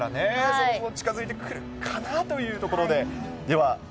それも近づいてくるかなというところで。